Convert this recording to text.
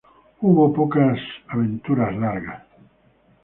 Hubo pocas aventuras largas.